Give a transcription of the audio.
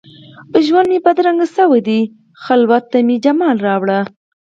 ژوند مي بدرنګ شوی دي، خلوت ته مي جمال راوړه